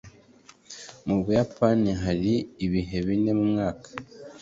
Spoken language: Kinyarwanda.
Mu Buyapani hari ibihe bine mu mwaka.